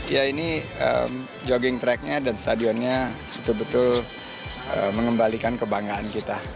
ya ini jogging tracknya dan stadionnya betul betul mengembalikan kebanggaan kita